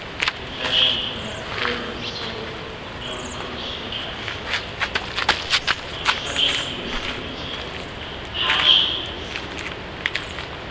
Confession from that burdened soul No ghostly counsellor may win; Could such as we receive its whole Passion and sin?